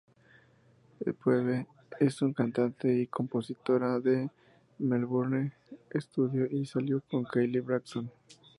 Phoebe es una cantante y compositora de Melbourne, estudio y salió con Kyle Braxton.